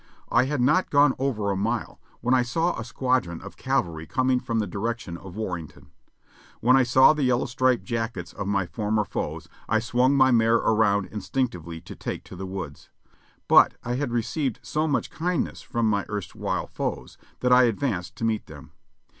I had not gone over a mile when I saw a squadron of cavalry coming from the direction of Warrenton. When I saw the yellow striped jackets of my former foes I swung my mare around instinctively to take to the woods; but I had re ceived so much kindness from my erstwhile foes that I advanced to meet them.